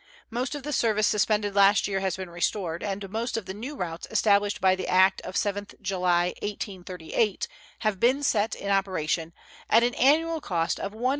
Most of the service suspended last year has been restored, and most of the new routes established by the act of 7th July, 1838, have been set in operation, at an annual cost of $136,963.